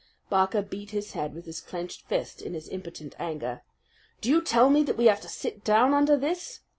Barker beat his head with his clenched fist in his impotent anger. "Do not tell me that we have to sit down under this?